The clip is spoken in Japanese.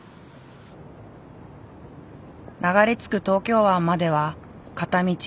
流れ着く東京湾までは片道２３．５キロ。